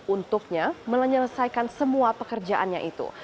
untuknya menyelesaikan semua pekerjaannya itu